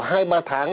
hai ba tháng